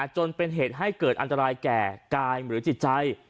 จนเป็นเหตุให้เกิดอันตรายแก่กายหรือจิตใจ